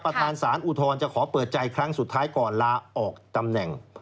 ประธานสารอุทธรณ์จะขอเปิดใจครั้งสุดท้ายก่อนลาออกตำแหน่ง